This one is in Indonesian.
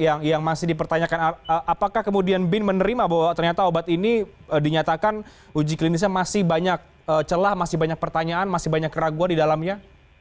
yang masih dipertanyakan apakah kemudian bin menerima bahwa ternyata obat ini dinyatakan uji klinisnya masih banyak celah masih banyak pertanyaan masih banyak keraguan di dalamnya